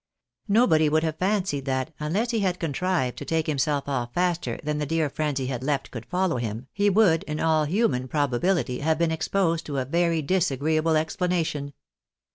Xobody •would have fancied, that, unless he had contrived to take himself off faster than the dear friends he had left could follow him, he would, in all human probabihty, have been exposed to a very dis agreeable explanation.